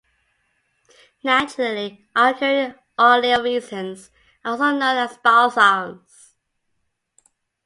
Naturally occurring oleoresins are also known as balsams.